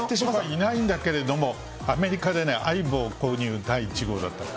いないんだけれども、アメリカでね、ＡＩＢＯ購入第１号だったの。